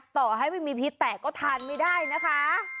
ต่อให้ไม่มีพิษแตกก็ทานไม่ได้นะคะ